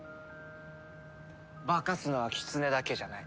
化かすのはキツネだけじゃない。